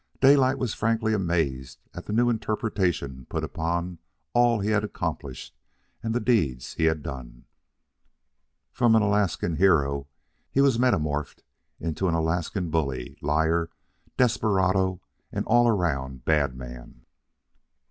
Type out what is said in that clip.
Daylight was frankly amazed at the new interpretation put upon all he had accomplished and the deeds he had done. From an Alaskan hero he was metamorphosed into an Alaskan bully, liar, desperado, and all around "bad Man."